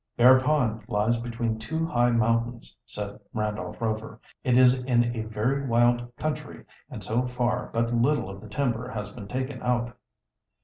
"Bear Pond lies between two high mountains," said Randolph Rover. "It is in a very wild country, and so far but little of the timber has been taken out."